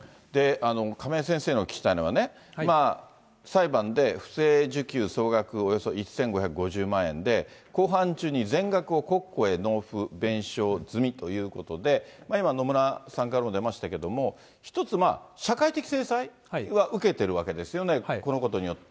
亀井先生にお聞きしたいのはね、裁判で不正受給、総額およそ１５５０万円で、公判中に全額を国庫へ納付、弁償済みということで、今、野村さんからも出ましたけれども、一つ、まあ、社会的制裁は受けてるわけですよね、このことによって。